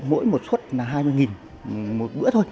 mỗi một suất là hai mươi một bữa thôi